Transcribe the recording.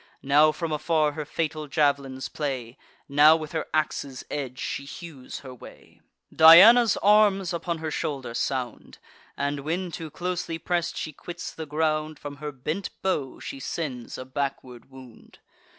Now from afar her fatal jav'lins play; Now with her ax's edge she hews her way: Diana's arms upon her shoulder sound; And when, too closely press'd, she quits the ground, From her bent bow she sends a backward wound.